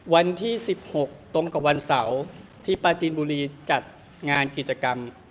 วันที่๑๖ตรงกับวันเสาร์ที่ปลาจีนบุรีจัดงานกิจกรรม